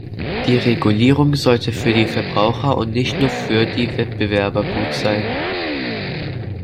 Die Regulierung sollte für die Verbraucher und nicht nur für die Wettbewerber gut sein.